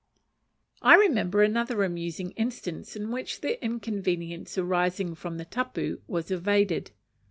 I remember another amusing instance in which the inconvenience arising from the tapu was evaded.